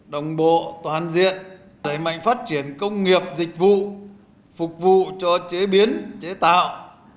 đồng bộ toàn diện đẩy mạnh phát triển công nghiệp dịch vụ phục vụ cho chế biến chế tạo